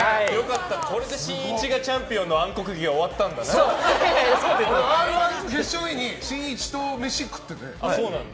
これでしんいちがチャンピオンの暗黒期は決勝の日にしんいちと飯を食ってて。